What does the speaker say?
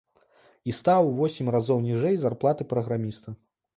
І стаў у восем разоў ніжэй зарплаты праграміста!